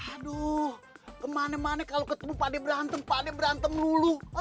aduh kemana mana kalo ketemu pade berantem pade berantem lulu